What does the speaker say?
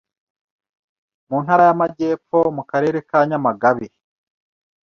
Mu ntara y’Amajyepfo, mu karere ka Nyamagabe,